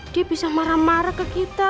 dibisa marah marah ke kita